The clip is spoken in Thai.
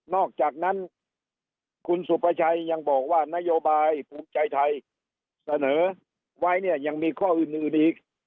อกจากนั้นคุณสุประชัยยังบอกว่านโยบายภูมิใจไทยเสนอไว้เนี่ยยังมีข้ออื่นอีก